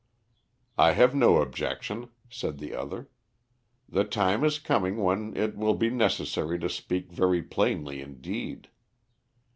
"I have no objection," said the other. "The time is coming when it will be necessary to speak very plainly indeed.